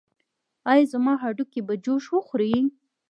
ایا زما هډوکي به جوش وخوري؟